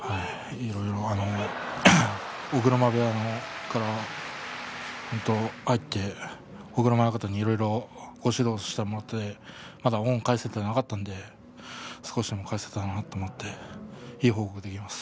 いろいろ尾車部屋から入って尾車親方に、いろいろご指導してもらってまだ恩を返せていなかったので少しでも返せたらなと思っていい報告ができます。